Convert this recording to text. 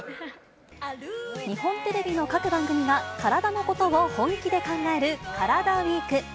日本テレビの各番組が、カラダのことを本気で考えるカラダＷＥＥＫ。